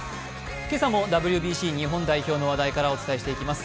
今朝もＷＢＣ日本代表の話題からお伝えしていきます。